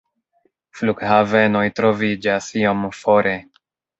Flughavenoj troviĝas iom fore.